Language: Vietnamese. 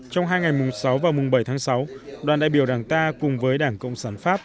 trong hai ngày mùng sáu và mùng bảy tháng sáu đoàn đại biểu đảng ta cùng với đảng cộng sản pháp